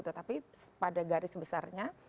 tetapi pada garis besarnya